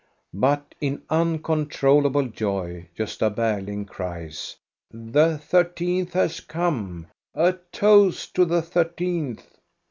But in uncontrollable joy Gosta Berling cries, "The thirteenth has come — a toast to the thir teenth